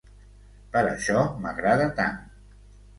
Per això m'agrada tant.